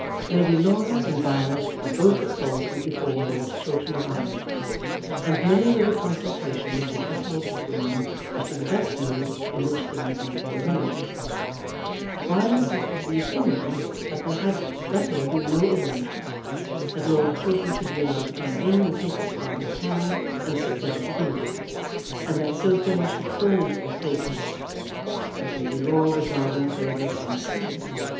Lady Laura and Violet were both at Saulsby before Lord Chiltern arrived, and many were the consultations which were held between them as to the best mode in which things might be arranged. Violet was of opinion that there had better be no arrangement, that Lord Chiltern should be allowed to come in and take his father's hand, and sit down to dinner, and that so things should fall into their places. Lady Laura was rather in favour of some scene.